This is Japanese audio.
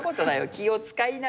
気を使いながら。